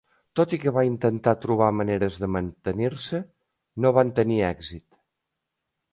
Tot i que va intentar trobar maneres de mantenir-se, no van tenir èxit.